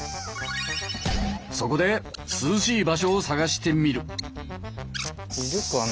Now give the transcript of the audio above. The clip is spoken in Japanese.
そこで涼しい場所を探してみる。